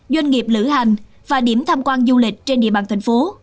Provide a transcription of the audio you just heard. doanh nghiệp lữ hành và điểm tham quan du lịch trên địa bàn tp hcm